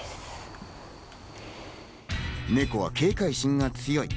ネコは警戒心が強い。